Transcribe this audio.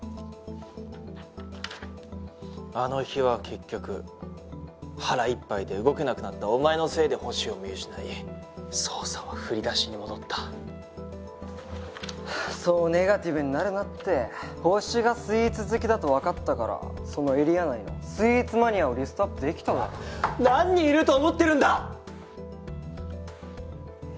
あの日は結局腹いっぱいで動けなくなったお前のせいでホシを見失い捜査は振り出しに戻ったそうネガティブになるなってホシがスイーツ好きだとわかったからそのエリア内のスイーツマニアをリストアップできただろう何人いると思ってるんだ！